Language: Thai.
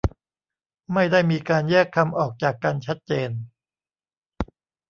ไม่ได้มีการแยกคำออกจากกันชัดเจน